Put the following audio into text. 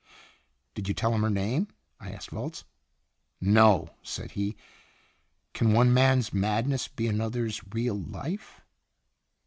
"Did you tell him her name?" I asked Volz. "No," said he. "Can one man's madness be another's real life?"